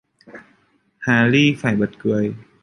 Hà ni phải bật cười